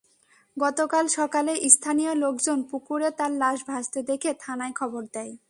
গতকাল সকালে স্থানীয় লোকজন পুকুরে তাঁর লাশ ভাসতে দেখে থানায় খবর দেয়।